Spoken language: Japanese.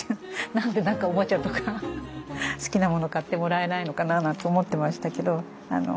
なんでおもちゃとか好きなもの買ってもらえないのかななんて思ってましたけど。